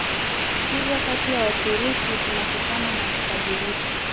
hivyo kati ya Waturuki tunakutana na mabadiliko